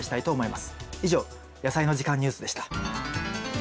以上「やさいの時間ニュース」でした。